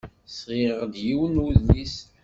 Sɣiɣ-d yiwen n udlis.